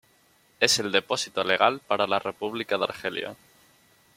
Es el depósito legal para la República de Argelia.